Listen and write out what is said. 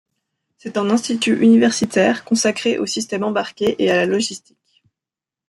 C'est un institut universitaire consacré aux systèmes embarqués et à la logistique.